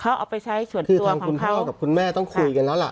เขาเอาไปใช้ส่วนอื่นคือทางคุณพ่อกับคุณแม่ต้องคุยกันแล้วล่ะ